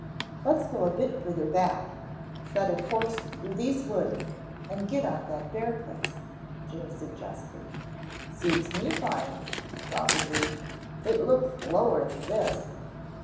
"Let's go a bit further back, set a course through those woods, and get on that bare place," Jim suggested. "Suits me fine," Bob agreed. "It looks lower than this."